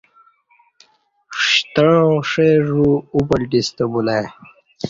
شتہ عاں ݜی ژو اُپلٹی ستہ بلہ ای